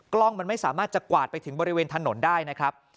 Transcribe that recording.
กล้องมันไม่สามารถจะกวาดไปถึงบริเวณถนนได้นะครับ